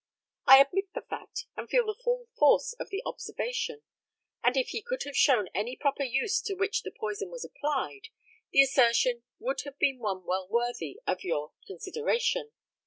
I admit the fact, and feel the full force of the observation; and if he could have shown any proper use to which the poison was applied, the assertion would have been one well worthy of your consideration.